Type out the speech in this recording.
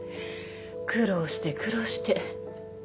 苦労して苦労して。